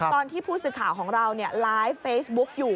ตอนที่ผู้สื่อข่าวของเราไลฟ์เฟซบุ๊กอยู่